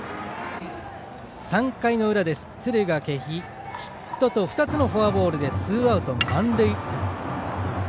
３回裏、敦賀気比ヒットと２つのフォアボールでツーアウト満塁。